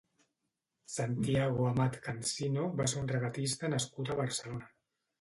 Santiago Amat Cansino va ser un regatista nascut a Barcelona.